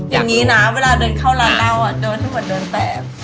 อย่างนี้นะเวลาเดินเข้าร้านเล่าอะเดินที่หมดเดินแปบ